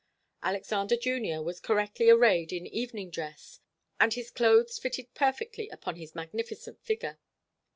Alexander Junior was correctly arrayed in evening dress, and his clothes fitted perfectly upon his magnificent figure.